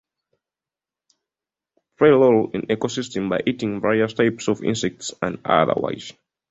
Play rolls in eco-system by eating various types of insects and otherwise.